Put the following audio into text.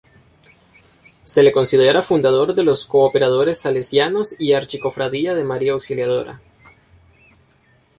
Se le considera fundador de los Cooperadores Salesianos y Archicofradía de María Auxiliadora.